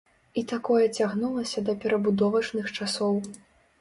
І такое цягнулася да перабудовачных часоў.